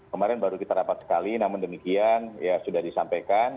kemarin baru kita rapat sekali namun demikian ya sudah disampaikan